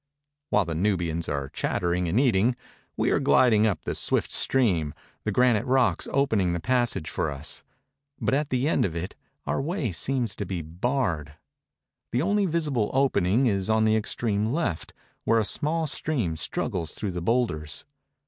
While the Nubians are chattering and eating, we are 250 UP THE CATARACTS OF THE NILE gliding up the swift stream, the granite rocks opening a passage for us ; but at the end of it our way seems to be barred. The only visible opening is on the extreme left, where a small stream struggles through the boulders.